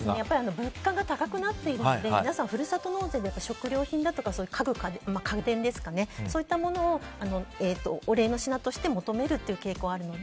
物価が高くなっているので皆さん、ふるさと納税で食料品だとか家具、家電ですとかそういったものをお礼の品として求める傾向があるので。